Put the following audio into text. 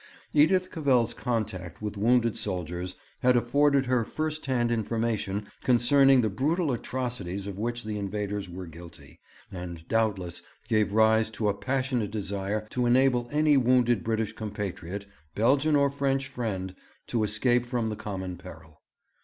Edith Cavell's contact with wounded soldiers had afforded her first hand information concerning the brutal atrocities of which the invaders were guilty, and doubtless gave rise to a passionate desire to enable any wounded British compatriot, Belgian or French friend, to escape from the common peril.